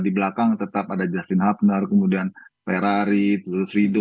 di belakang tetap ada justin hapner kemudian ferrari terus rido